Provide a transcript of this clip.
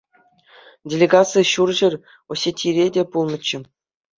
Делегаци Ҫурҫӗр Осетире те пулнӑччӗ.